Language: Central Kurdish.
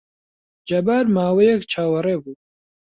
جەبار ماوەیەک چاوەڕێ بوو.